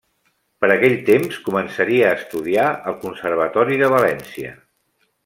Per aquell temps, començaria a estudiar al Conservatori de València.